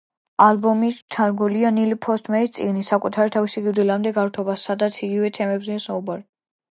ალბომი შთაგონებულია ნილ პოსტმენის წიგნით „საკუთარი თავის სიკვდილამდე გართობა“, სადაც იგივე თემებზეა საუბარი.